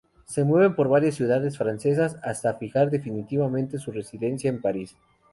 Se mueven por varias ciudades francesas hasta fijar definitivamente su residencia en París.